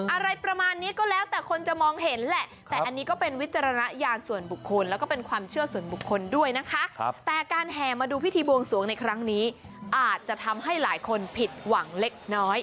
อะไรประมาณนี้ก็แล้วแต่คนจะมองเห็นแหละแต่อันนี้ก็เป็นวิจารณญาณส่วนบุคคลแล้วก็เป็นความเชื่อส่วนบุคคลด้วยนะคะแต่การแห่มาดูพิธีบวงสวงในครั้งนี้อาจจะทำให้หลายคนผิดหวังเล็กน้อย